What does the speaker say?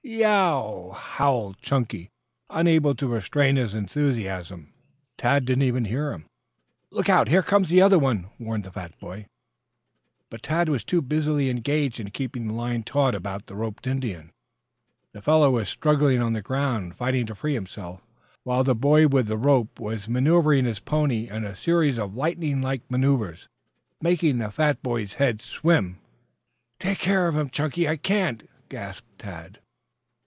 "Ye ow!" howled Chunky; unable to restrain his enthusiasm. Tad did not even hear him. "Look out! Here comes the other one!" warned the fat boy. But Tad was too busily engaged in keeping the line taut about the roped Indian. The fellow was struggling on the ground, fighting to free himself, while the boy with the rope was manoeuvring his pony in a series of lightning like movements that made the fat boy's head swim. "Take care of him, Chunky!! I can't," gasped Tad.